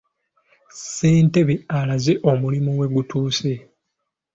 Ssentebe alaze omulimu we gutuuse.